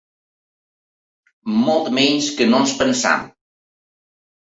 Molt menys que no ens pensem.